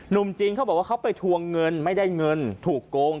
จริงเขาบอกว่าเขาไปทวงเงินไม่ได้เงินถูกโกง